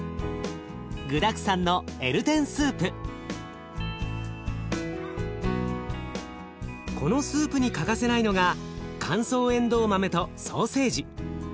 具だくさんのこのスープに欠かせないのが乾燥えんどう豆とソーセージ。